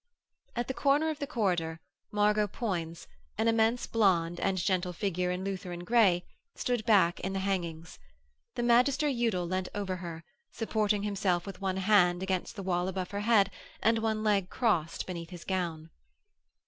At the corner of the corridor Margot Poins, an immense blonde and gentle figure in Lutheran grey, stood back in the hangings. The Magister Udal leant over her, supporting himself with one hand against the wall above her head and one leg crossed beneath his gown.